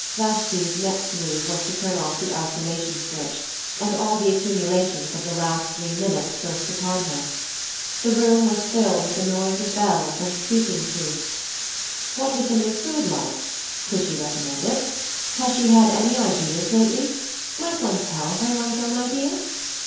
Vashanti's next move was to turn off the isolation switch, and all the accumulations of the last three minutes burst upon her. The room was filled with the noise of bells, and speaking tubes. What was the new food like? Could she recommend it? Has she had any ideas lately? Might one tell her one's own ideas?